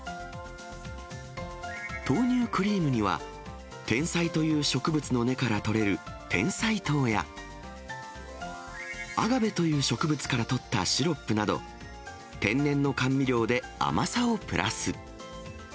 豆乳クリームには、てんさいという植物の根からとれるてんさい糖や、アガベという植物からとったシロップなど、天然の甘味料で甘さをプラス。